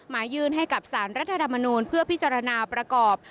ยื่นให้กับสารรัฐธรรมนูลเพื่อพิจารณาประกอบ